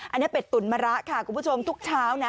อันนี้เป็ดตุ๋นมะระค่ะคุณผู้ชมทุกเช้านะ